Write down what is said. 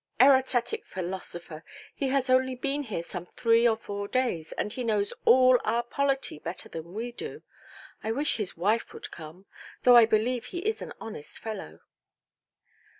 Erotetic philosopher! He has only been here some three or four days, and he knows all our polity better than we do! I wish his wife would come; though I believe he is an honest fellow".